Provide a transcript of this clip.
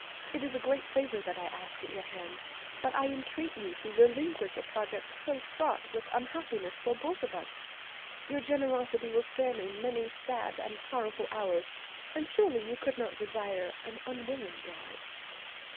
It is a great favor that I ask at your hands, but I entreat you to relinquish a project so fraught with unhappiness for both of us. Your generosity will spare me many sad and sorrowful hours, and surely you could not desire an unwilling bride."